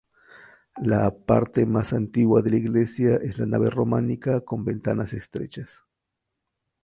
La parte más antigua de la iglesia es la nave románica con ventanas estrechas.